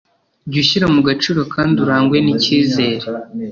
jya ushyira mu gaciro kandi urangwe n icyizere